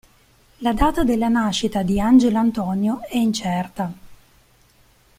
La data della nascita di Angelo Antonio è incerta.